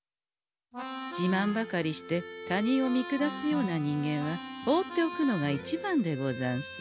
じまんばかりして他人を見下すような人間は放っておくのが一番でござんす。